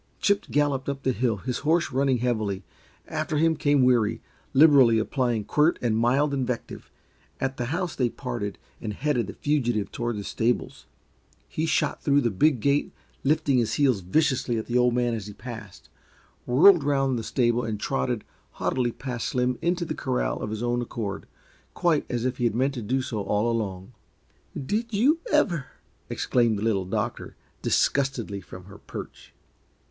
Chip galloped up the hill, his horse running heavily. After him came Weary, liberally applying quirt and mild invective. At the house they parted and headed the fugitive toward the stables. He shot through the big gate, lifting his heels viciously at the Old Man as he passed, whirled around the stable and trotted haughtily past Slim into the corral of his own accord, quite as if he had meant to do so all along. "Did you ever!" exclaimed the Little Doctor, disgustedly, from her perch.